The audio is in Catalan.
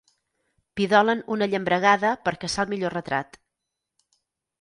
Pidolen una llambregada per caçar el millor retrat.